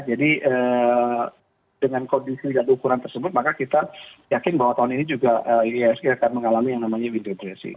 dengan kondisi dan ukuran tersebut maka kita yakin bahwa tahun ini juga ihsg akan mengalami yang namanya window dressing